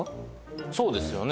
そうですよね。